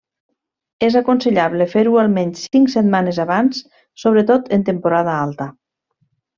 És aconsellable fer-ho almenys cinc setmanes abans, sobretot en temporada alta.